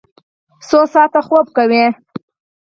څو ساعته خوب کوئ؟